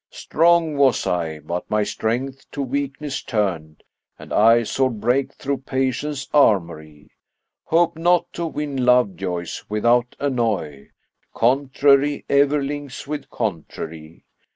Strong was I, but my strength to weakness turned, * And eye sword brake through Patience armoury: Hope not to win love joys, without annoy; * Contrary ever links with contrary.